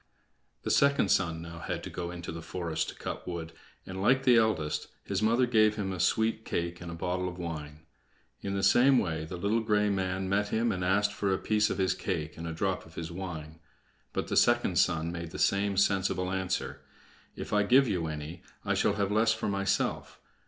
The second son now had to go into the forest to cut wood, and, like the eldest, his mother gave him a sweet cake and a bottle of wine. In the same way the little gray man met him, and asked for a piece of his cake and a drop of his wine. But the second son made the same sensible answer: "If I give you any, I shall have the less for myself.